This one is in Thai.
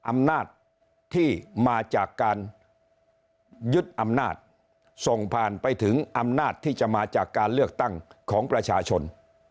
อำนาจที่มาจากการยึดอำนาจส่งผ่านไปถึงอำนาจที่จะมาจากการเลือกตั้งของประชาชน